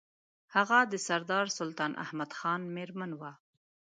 هغه د سردار سلطان احمد خان مېرمن وه.